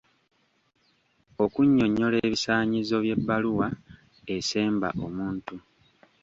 Okunnyonnyola ebisaanyizo by'ebbaluwa esemba omuntu.